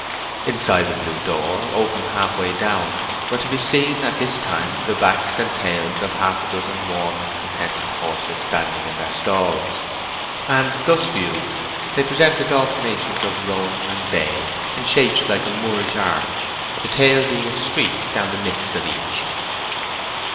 Inside the blue door, open half way down, were to be seen at this time the backs and tails of half a dozen warm and contented horses standing in their stalls; and as thus viewed, they presented alternations of roan and bay, in shapes like a Moorish arch, the tail being a streak down the midst of each.